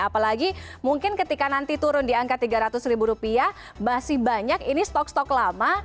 apalagi mungkin ketika nanti turun di angka tiga ratus ribu rupiah masih banyak ini stok stok lama